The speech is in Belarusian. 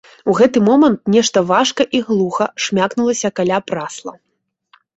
У гэты момант нешта важка і глуха шмякнулася каля прасла.